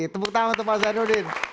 tepuk tangan untuk pak zainuddin